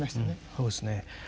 そうですね。